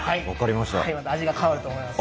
また味が変わると思います。